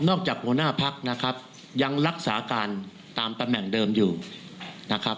หัวหน้าพักนะครับยังรักษาการตามตำแหน่งเดิมอยู่นะครับ